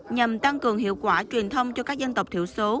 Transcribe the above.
nhằm tăng cường hiệu quả truyền thông cho các dân tộc thiểu số